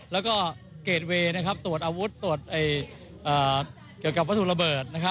แล้วก็เกรดเวย์ตรวจอาวุธตรวจเกี่ยวกับวัตถุระเบิด